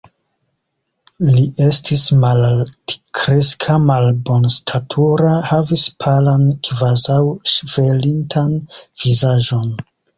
Li estis malaltkreska, malbonstatura, havis palan, kvazaŭ ŝvelintan, vizaĝon.